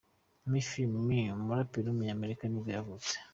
Me Phi Me, umuraperi w’umunyamerika nibwo yavutse.